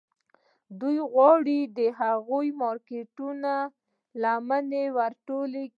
دوی غواړي د هغو مارکیټونو لمن ور ټوله کړي